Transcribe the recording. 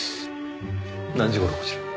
何時頃こちらに？